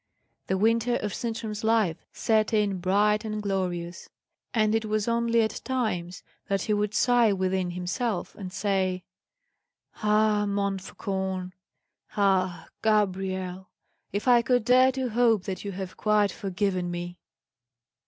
The winter of Sintram's life set in bright and glorious, and it was only at times that he would sigh within himself and say, "Ah, Montfaucon! ah, Gabrielle! if I could dare to hope that you have quite forgiven me!"